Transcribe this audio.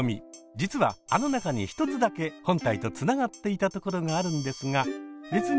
実はあの中に一つだけ本体とつながっていたところがあるんですが別に。